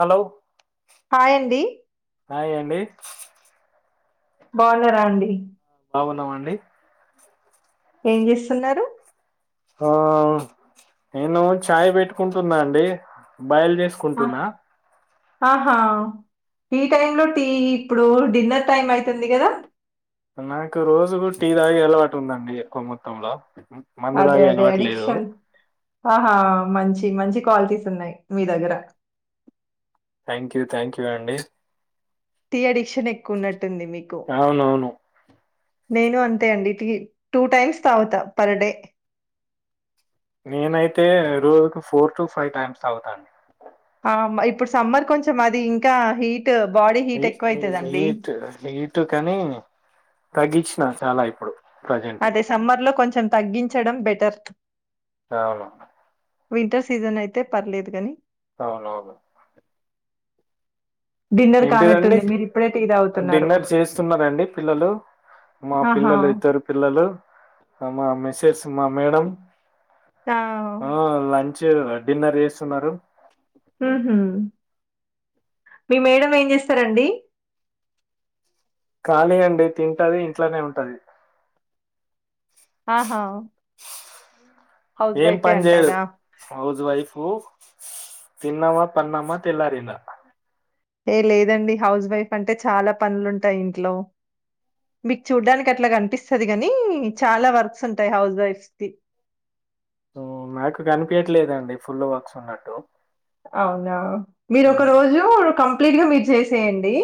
Hello హాయండి hi అండి బావున్నరా అండి బాగున్నామండి ఏం జేస్తున్నారు ఆ నేను చాయ్ పెట్టుకుంటున్నా అండి బాయిల్ ఆ జేస్కుంటున్న ఆహా ఈ టైమ్ లో టీ ఇప్పుడు డిన్నర్ టైం ఐతుంది కదా నాకు రోజు టీ తాగే అలవాటు ఉందండి ఎక్కో మొత్తంలో అదే మందుదాగే అదే అలవట్లేదు అడిక్షన్. ఆహా మంచి మంచి క్వాలిటీస్ ఉన్నాయ్ మీ దగ్గర థ్యాంక్ యూ థ్యాంక్ యూ అండి టీ అడిక్షన్ ఎక్కువున్నట్టుంది మీకు అవునవును నేనూ అంతే అండి టీ టూ టైమ్స్ తాగుతా పర్ డే నేనైతే రోజుకు ఫోర్ టు ఫైవ్ టైమ్స్ అవుతాండి ఆ! ఇప్పుడు సమ్మర్ కొంచెం అది ఇంకా హీట్ బాడీ హీట్ ఎక్కువ ఐతదండి కాని తగ్గిచినా చాలా ఇప్పుడు ప్రజెంట్ అదే సమ్మర్ లో కొంచెం తగ్గించడం బెటర్ అవును వింటర్ సీజన్ అయితే పర్లేదుగని అవునవును డిన్నర్ ఏంటిదండి కానట్టుంది మీరు ఇప్పుడే డిన్నర్ చేస్తున్నరండి పిల్లలు మా ఆహా! పిల్లలు ఇద్దరు పిల్లలు అ మా మిసేస్ మా మేడం ఆ! ఆ లంచ్ డిన్నర్ చేస్తున్నారు హ మీ మేడం ఏం చేస్తారండి ఖాళీ అండి తింటది ఇంట్లనే ఉంటది ఆహా హౌస్ ఏం వైఫే పని చేయదు అంటారా? హౌస్ వైఫూ తిన్నామా పన్నామా తెల్లారిందా ఏ లేదండి హౌస్ వైఫ్ అంటే చాలా పనులుంటాయి ఇంట్లో మీకు చూడ్డానికి అట్లా కనిపిస్తది గానీ చాలా వర్క్స్ ఉంటాయి హౌస్ వైఫ్స్ కి నాకు కనిపియట్లేదండి ఫుల్ వర్క్స్ ఉన్నట్టు అవునా మీరు ఒక రోజు కంప్లీట్ గా మీరు చేసేయండి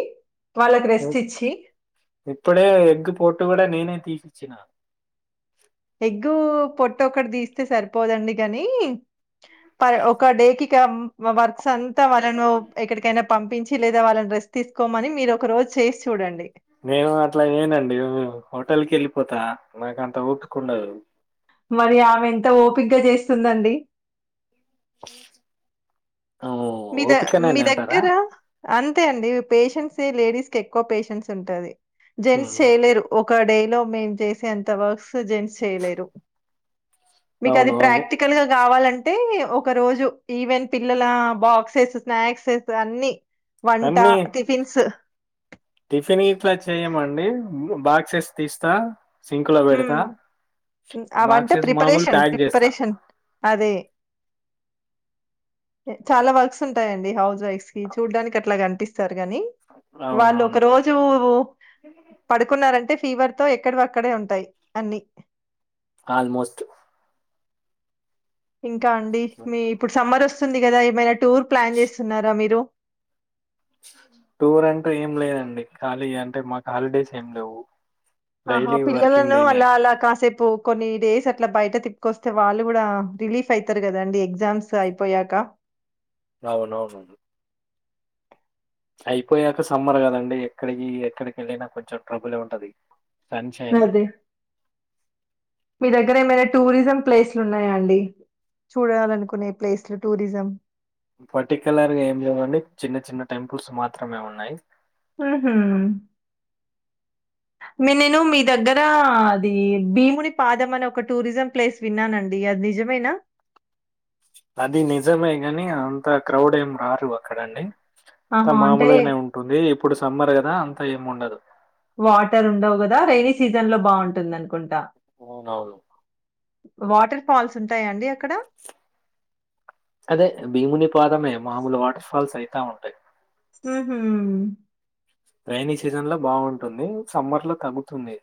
వాళ్ళకి రెస్ట్ ఇచ్చి. ఇప్పుడే ఎగ్ పోట్టు గుడా నేనే తీసిచ్చిన ఎగ్గూ పొట్టొకటి తీస్తే సరిపోదండి గాని ప ఒక డేకి ఇ వర్క్స్ అంతా వాళ్ళను ఎక్కడికైనా పంపించి లేదా వాళ్ళని రెస్ట్ తీసుకోమని మీరు ఒక రోజు చేసి చూడండి నేను అట్లా చేయనండి హోటల్ కెల్లిపోత నాకంత ఓపికుండదు మరి ఆమె ఎంత ఓపిగ్గ చేస్తుందండి ఈ [unintelligible] [inaudible] మీ ద మీ దగ్గర అంతే అండి పేషెన్సే లేడీస్కెక్కువ పేషెన్స్ ఉంటంది జెంట్స్ చేయలేరు ఒక్క డే లో మేం చేసే అంత వర్క్స్ జెంట్స్ చేయలేరు మీకది అవును అవును ప్రాక్టికల్ గా గావాలంటే ఒక రోజు ఈవెన్ పిల్లల బాక్సెస్ స్నాక్సెస్ అన్ని వంట అన్నీ టిఫిన్స్ టిఫిన్ ఇంట్లో చెయ్యమండి బాక్సెస్ తీస్తా సింక్ లో హ్మ్. పెడతా హ్మ్. అవంటే బాక్సెస్ మామూలు ప్రిపరేషన్, ప్యాక్ చేస్తా ప్రిపరేషన్ అదే చాలా వర్క్స్ ఉంటాయండి హౌస్ వైఫ్ కి చూడ్డానికి అట్లా కనిపిస్తారు కాని వాళ్లు ఒక అవునవును రోజు పడుకున్నారంటే ఫీవర్తో ఎక్కడివక్కడే ఉంటాయి అన్ని ఆల్మోస్ట్ ఇంకా అండి మీ ఇప్పుడు సమ్మర్ వస్తు స్తుంది కదా ఏమైనా టూర్ ప్లాన్ చేస్తున్నారా మీరు టూర్ అంటే ఏం లేదండి ఖాళీ అంటే మాకు హాలిడేస్ ఏం లేవు ఆహా డైలీ వర్కింగ్ పిల్లలను డేనే అలా అలా కాసేపు ఓ కొన్ని డేస్ అట్లా బయట తిప్పుకొస్తే వాళ్ళు కూడా రిలీఫ్ అయితారు కదా అండి ఎగ్జామ్స్ అయిపోయాక అవునవును అయిపోయాక సమ్మర్ కదండి ఎక్కడికి ఎక్కడికి వెళ్ళిన కొంచెం ట్రబులే ఉంటది పంచాయతీ అదే మీ దగ్గర ఏమైనా టూరిజం ప్లేస్లు ఉన్నాయా అండి చూడాలనుకునే ప్లేస్లు టూరిజం పర్టికులర్ గా ఏం లేవండి చిన్న చిన్న టెంపుల్స్ మాత్రమే ఉన్నాయి ఉహూ మీ నేను మీ దగ్గర అది భీముని పాదం అనే ఒక టూరిజం ప్లేస్ విన్నానండి అది నిజమేనా అది నిజమే గాని అంత క్రౌడ్ ఏం రారు అక్కడండి అంతా ఆహా అంటే మామూలుగానే ఉంటుంది ఇప్పుడు సమ్మర్ కదా అంతా ఏం ఉండదు వాటర్ ఉండవు కదా రెయినీ సీజన్ లో బాగుంటుందనుకుంటా అవునవును. వాటర్ ఫాల్స్ ఉంటాయా అండి అక్కడ అదే భీముని పాదమే మామూలు వాటర్ ఫాల్స్ అయితా ఉంటాయి ఉహుం రెయినీ సీజన్ లో బాగుంటుంది సమ్మర్ లో తగ్గుతుంది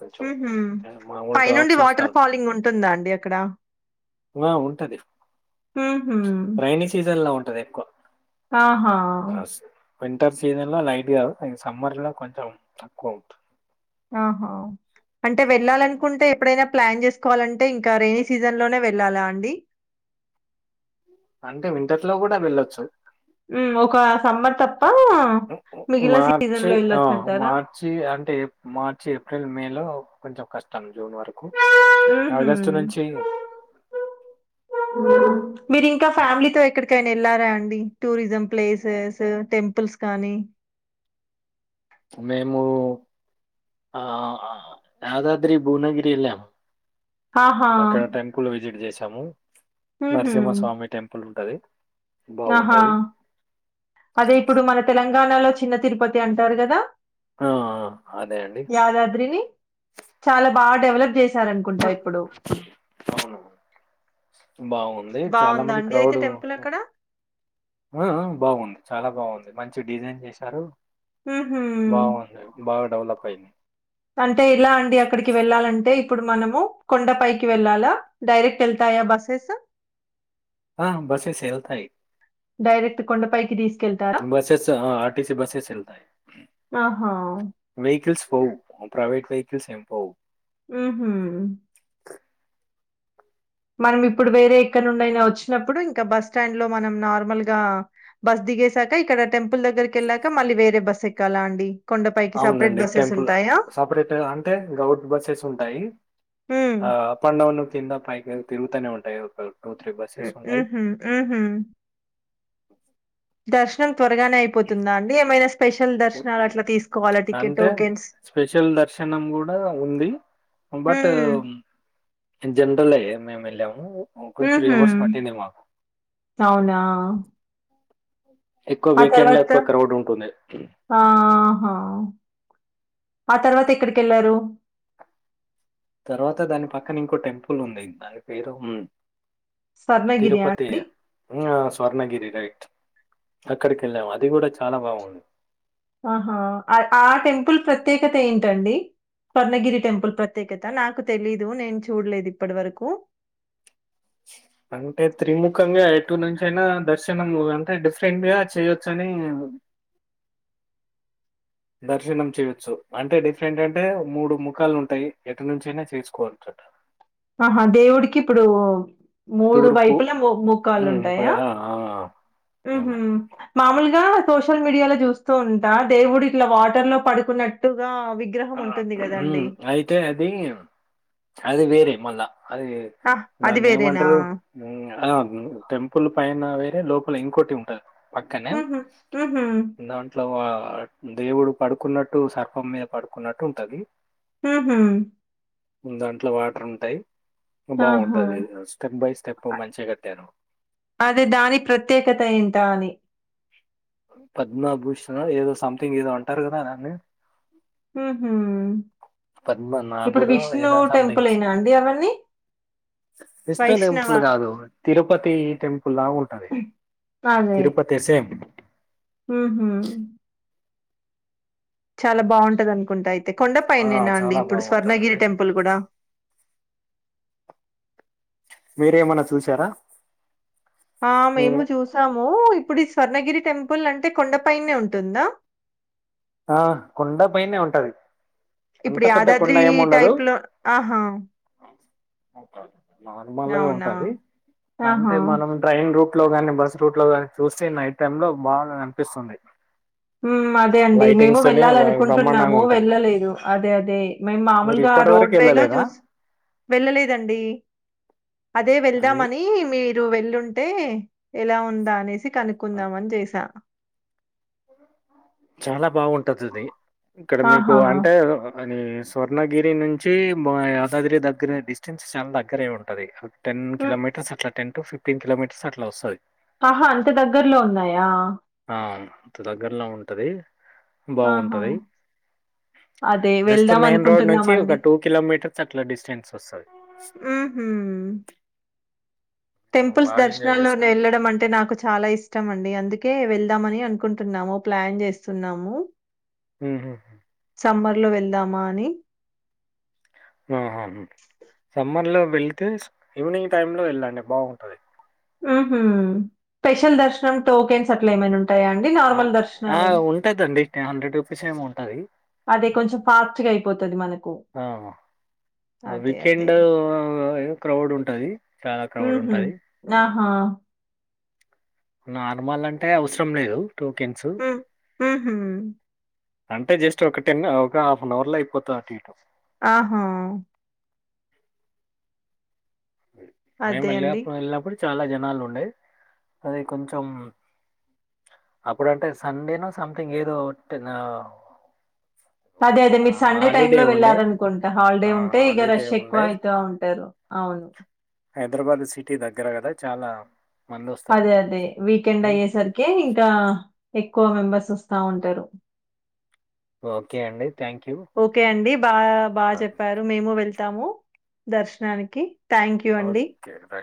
కొంచెం ఉహూ ఆ, మామూలు పైనుండి డ్రాప్స్ వస్తా వాటర్ ఉంటాయి. ఫాలింగ్ ఉంటుందా అండి అక్కడ ఆ ఉంటది ఉహూ రైైనీ సీజన్‌లో ఉంటది ఎక్కువ ఆహా అస్ వింటర్ సీజన్ల లైట్గా అండ్ సమ్మర్ కూడా కొంచెం తక్కువ అవుతుంది ఆహా అంటే వెళ్ళాలనుకుంటే ఎప్పుడైనా ప్లాన్ చేసుకోవాలంటే ఇంకా రెయినీ సీజన్ లోనే వెళ్ళాలా అండి అంటే వింటర్ లో కూడా వెళ్ళొచ్చు ఉమ్ ఒక సమ్బర్ తప్ప మిగిలిన మార్చి సీజన్‌లో ఆ ఎళ్ళొచ్చంటారా? మార్చి అంటే మా ర్చి ఏప్రిల్ మే లో కొంచెం కష్టం జూన్ వరకు హుహు. ఆగస్టు నుంచి మీరు ఇంకా ఫ్యామిలీతో ఎక్కడికైనా వెళ్ళారా అండి టూరిజం ప్లేసెస్ టెంపుల్స్ కానీ మేము ఆ యాదాద్రి భువనగిరి వెళ్ళాం ఆహా! అక్కడ టెంపుల్ విజిట్ చేసాము హుహు. నరసింహస్వామి టెంపుల్ ఉంటది ఆహా బాగుంటది అదే ఇప్పుడు మన తెలంగాణలో చిన్న తిరుపతి అంటారు కదా ఆ ఆ అదే అండి యాదాద్రిని చాలా బా డెవలప్ చేసి అవును అవును బాగుంది చాలా బావుందా మంది అండి అయితే క్రౌడ్ టెంపుల్ అక్కడ? ఆ బాగుంది చాలా బాగుంది, మంచి డిజైన్ చేశారు, హుహు. బాగుంది బాగా డెవలప్ అయింది, అంటే ఎలా అండి అక్కడికి వెళ్ళాలంటే ఇప్పుడు మనము కొండపైకి వెళ్ళాలా డైరెక్ట్ వెళ్తాయా బసెస్ ఆ బసెస్ ఏ వెళ్తాయి, డైరెక్ట్ కొండపైకి తీస్త బసెస్ అ ఆర్టీసీ బసెస్ వెళ్తాయి, ఆహా! వేకిల్స్ పోవు ప్రైవట్ వేకిల్స్ ఏం పోవు ఉహు మనం ఇప్పుడు వేరే ఎక్కడ నుండి అయినా వచ్చినప్పుడు, ఇంకా బస్ స్టాండ్ లో మనం నార్మల్ గా బస్ దిగే సాక ఇక్కడ టెంపుల్ దగ్గర కి వెళ్లాక మళ్ళీ వేరే బస్ ఎక్కాలా అండి, కొండపైకి సెపరేట్ అవునండి బసెస్ టెంపుల్ ఉంటాయా? సపరేట్ అంటే గౌట్ బసెస్ ఉంటాయి. హ్మ్. ఆ అప్ అండ్ డౌన్ కింద పై కెళ్లి తిరుగుతనే ఉంటాయి, ఒకలు ఉ హు ఉ హు దర్శ త్వరగానే అయిపోతుందా, అండి ఏమైనా స్పెషల్ దర్శనాలు అట్లా తీసుకోవాలా టికెట్ టోకెన్స్ తినం కూడా ఉంది బట్ హ్మ్. జనరలే ఇగ మేము వెళ్ళాము ఒక త్రి హుహు. హవర్స్ పట్టింది మాకు అవునా? ఎక్కువ ఆ వీకెండ్ లో తర్వాత ఎక్కువ క్రౌడ్ ఉంటుంది ఆ ఆ ఆ తర్వాత ఎక్కడికి వెళ్ళారు, కానీ ఇంకో టెంపుల్ ఉంది, దాని పేరు ఉ స్వర్ణగిరి ఆ అండి ఆ స్వర్ణగిరి రైట్ అక్కడికి వెళ్ళాము, అది కూడా చాలా బాగుంది. ఆహా! ఆ ఆ టెంపుల్ ప్రత్యేకత ఏంటండి? స్వర్ణగిరి టెంపుల్ ప్రత్యేకత నాకు తెలీదు నేను చూడలేదు, ఇప్పటి వరకు అంటే త్రిముఖంగా ఎటు నుంచి అయినా దర్శ నము అంటే డిఫరెంట్ గా చేయొచ్చు అని [unintelligible] దర్శనం చేయొచ్చు అంటే డిఫరెంట్ అంటే మూడు ముఖాలు ఉంటాయి, ఎటు నుంచి అయినా చేసుకోవచ్చు ఆహా దేవుడికి ఇప్పుడు మూడు తూర్పు వైపుల మొ ముఖాలు హ్మ్. ప ఉంటాయా, ఆ! ఆ! హ్మ్. ఉహు మామూలుగా సోషల్ మీడియాలో చూస్తూ ఉంటా దేవుడు ఇట్లా వాటర్ లో పడుకున్నట్టుగా, విగ్రహం ఆ ఉంటుంది ఉహు గదండీ! అయితే అది అది వేరే మళ్ళా అది ఆహ్! అది దాన్ని వేరేనా? ఏమంటారు, ఆ టెంపుల్ పైన వె ఏ లోపల ఇంకోటి ఉంటది, పక్కనే హుహు. హుహు. దాంట్లో వా ఆ దేవుడు పడుకున్నట్టు సర్పం మీద పడుకున్నట్టు ఉంటది. ఉహు ము దాంట్ల వాటర్ ఉంటాయి. ఆహా! బాగుంటది స్టెప్ బై స్టెప్ అ మంచిగా కట్టారు అదే దాని ప్రత్యేకత ఏంట అని పద్మభూషణ్ ఏదో సంథింగ్ ఏదో అంటారు, కదా దాన్నే ఉహు పద్మ నాగుడో ఏదా సథింగ్స్ టెంపులేనా అండి అవన్నీ? విష్ణ వైష్ణవ టెంపుల్ కాదు తిరుపతి టెంపుల్ లా ఉంటది. అదే తిరుపతి ఏసెం ఉహు చాలా బాగుంటది, అనుకుంటా అయితే కొండ ఆ పైనేనా అండి, చాలా ఇప్పుడు స్వర్ణగిరి బాగుంటదండి టెంపుల్ కూడా, మీరేమన్నా చూసారా, ఆ మేము మీరే చూసాము ఓయ్ ఇప్పుడు ఈ స్వర్ణగిరి టెంపుల్ అంటే కొండపైనే ఉంటుందా ఆ కొండ పైనే ఉంటది ఇప్పుడు అంత పెద్ద కొండ యాదాద్రి ఏమి ఉండదు టైప్ లో ఆహా నార్మల్ గా అవునా ఉంటది అంటే ఆహా మనం ట్రైన్ రూట్ లో గాని బస్ రూట్ లో గాని చూస్తే నైట్ టై లో బాగా అనిపిస్తుంది ఉ మ్ అది అదే అండి మేము లైటింగ్స్ తోని బ్రహ్మాండంగా వెళ్ళాలనుకుంటున్నాము ఉంటది వెళ్ళలేదు అదే అదే మేము మీరు మామూలుగా ఇప్పటి రోడ్ వరకు వే లో వెళ్ళలేదా వెళ్ళలేదండి అదే వెళ్దా అది మీ మీరు వెళ్ళుంటే ఎలా ఉందా అనేసి ఆ కనుక్కుందాం అని చేసా చాలా బాగుంటదది ఇక్కడ మీకు ఆహా అంటే అ స్వర్ణగిరి నుంచి బు యాదాద్రి దగ్గర డిస్టెన్స్ చాలా దగ్గరే ఉంటది టెన్ హ్మ్. కిమీటర్స్ అట్ల టెన్ టు ఫిఫ్టీన్ కిలోమీటర్స్ అట్లా వస్తది ఆహా అంత దగ్గర్లో ఉన్నాయా ఆ! అంత దగ్గరలో ఉంటది ఆహా! బాగుంటది అదే జస్ట్ వెళ్దాం మెయిన్ రోడ్ నుంచి అనుకుంటున్నామండి. ఒక టూ కిలోమీటర్స్ అట్లా డిస్టెన్స్ వస్తుంది ఊహు మేము టెంపుల్స్ బాగా ఎంజాయ్ దర్శనాల్లోనే చేసాం. యెళ్ళడమంటే నాకు చాలా ఇష్టం అండి అందుకే కే వెళ్దామని అనుకుంటున్నాము ప్లాన్ చేస్తున్నాము ఊహు సమ్మర్ లో వెళ్దామా అని ఊహు సమ్మర్ లో వెళితే ఈవినింగ్ టైమ్ లో యెళ్ళండి బాగుంటది ఊహు స్పెషల్ దర్శనం టోకెన్స్ అట్లా ఏమైనా ఉంటా ఆ ఆ ఉంటదండి హండ్రెడ్ రూపీస్ ఏమో ఉంటది అది కొంచెం పాస్ట్గా అయిపోతది మనకి ఆ అదే. వీకెండ్ క్రౌడ్ ఉంటది చాలా క్రౌడ్ హుహు. ఉంటది ఆహా! నార్మల్ అంటే అవసరం లేదు టోకెన్స్. ఊహు అంటే జస్ట్ ఒక టెన్ ఒక హాఫ్ అన్ అవర్ లో అయిపోతాది అటు ఇటు. ఆహా మే అదే అండి. మల్ళపు అల్లాపు చాలా జనాలుండయి అది కొంచెం అప్పుడంటే సండేను సంథింగ్ ఏదో అదే అదే మీరు సండే టైమ్ హాలిడే లో ఉండే. వెళ్ళారనుకుంటే హాలిడే ఆ! ఉంటే ఇక హాలిడే రష్ ఎక్కువ ఉండే. అవుత ఉంటారు అవును హైదరాబాద్ సిటీ దగ్గర కదా చాలా మందొస్తారు. అదే అదే వీకెండ్ అయ్యేసరికి ఇంకా ఎక్కువ మెంబర్స్ వస్తా ఉంటారు ఓకే అండి థ్యాంక్ యూ ఓకే అండి. బా బాగా చెప్పారు మేము వెళ్తాము దర్శనానికి థ్యాంక్ యూ అండి ఓకే రైట్.